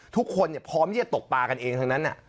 ทุกคนพร้อมที่จะตกปลากันเองทั้งนั้น